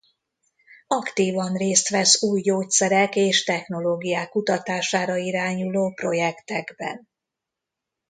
Aktívan részt vesz új gyógyszerek és technológiák kutatására irányuló projektekben.